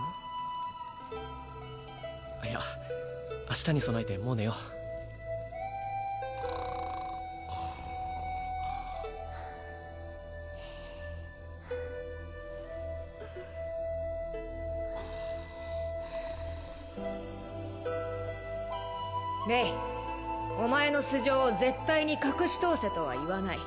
いや明日に備えてもう寝ようレイお前の素性を絶対に隠し通せとは言わない